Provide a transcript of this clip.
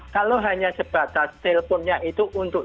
kalau hanya sebatas teleponnya itu untuk